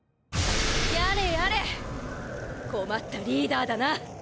やれやれ困ったリーダーだな。